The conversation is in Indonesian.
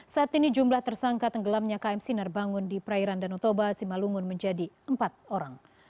saat ini jumlah tersangka tenggelamnya kmc narbangun di prairan dan otoba simalungun menjadi empat orang